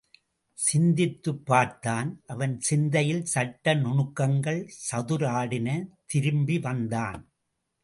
சிந்தித்துப் பார்த்தான் அவன் சிந்தையில் சட்ட நுணுக் கங்கள் சதிர் ஆடின திரும்பி வந்தான்.